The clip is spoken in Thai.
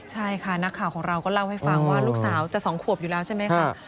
ใช่ค่ะนักข่าวของเราก็เล่าให้ฟังว่าลูกสาวจะ๒ขวบอยู่แล้วใช่ไหมคะ